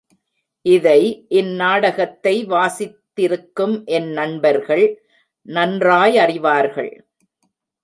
இதை இந்நாடகத்தை வாசித்திருக்கும் என் நண்பர்கள் நன்றாயறிவார்கள்.